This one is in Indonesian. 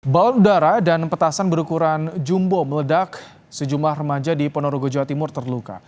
balon udara dan petasan berukuran jumbo meledak sejumlah remaja di ponorogo jawa timur terluka